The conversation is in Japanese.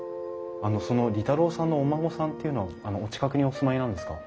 あのその利太郎さんのお孫さんっていうのはお近くにお住まいなんですか？